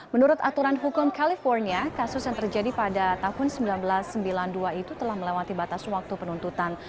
menurut aturan hukum california kasus yang terjadi pada tahun seribu sembilan ratus sembilan puluh dua itu telah melewati batas waktu penuntutan